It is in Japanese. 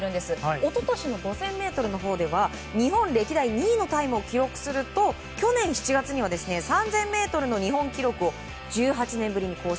一昨年の５０００ｍのほうでは日本歴代２位のタイムを記録すると去年７月には３０００ｍの日本記録を１８年ぶりに更新。